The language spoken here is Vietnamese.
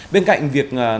bên cạnh việc